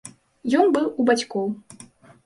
Ён быў у бацькоў.